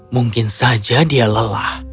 mungkin saja dia lelah